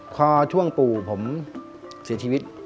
พอช่วงปู่ผมเสียชีวิต